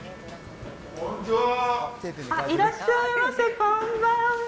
いらっしゃいませ、こんばんは。